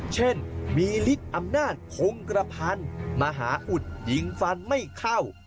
เช่นมีฤทธิ์อำนาจคงกระพันธ์มหาอุดยิงฟันไม่เข้า